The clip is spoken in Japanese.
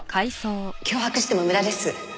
脅迫しても無駄です。